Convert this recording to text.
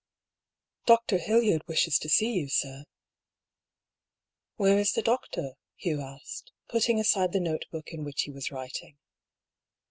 " Db. Hildyard wishes to see you, sir." " Where is the doctor ?" Hugh asked, putting aside the notebook in which he was writing.